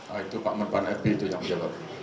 oh itu pak menteri pan itu yang menjawab